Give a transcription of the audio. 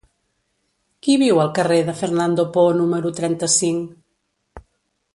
Qui viu al carrer de Fernando Poo número trenta-cinc?